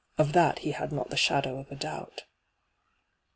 Of that he had not the shadow of a doubt.